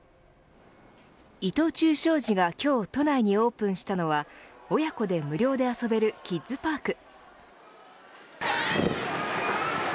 伊藤忠商事が今日、都内にオープンしたのは親子で無料で遊べるキッズパーク。